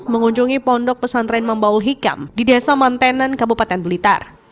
mengunjungi pondok pesantren membaul hikam di desa mantenan kabupaten blitar